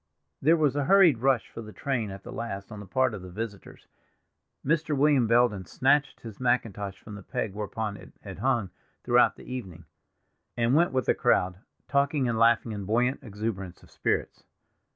There was a hurried rush for the train at the last on the part of the visitors. Mr. William Belden snatched his mackintosh from the peg whereon it had hung throughout the evening, and went with the crowd, talking and laughing in buoyant exuberance of spirits.